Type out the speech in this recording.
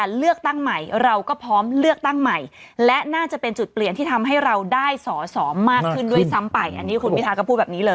อันนี้คุณพิธาก็พูดแบบนี้เลย